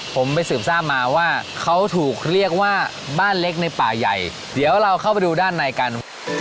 ผมไปสืบทราบมาว่าเขาถูกเรียกว่าบ้านเล็กในป่าใหญ่เดี๋ยวเราเข้าไปดูด้านในกัน